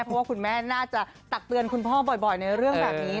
เพราะว่าคุณแม่น่าจะตักเตือนคุณพ่อบ่อยในเรื่องแบบนี้